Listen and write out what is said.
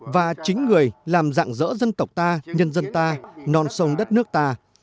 và chính người làm dạng dỡ dân tộc ta nhân dân ta non sông đất nước ta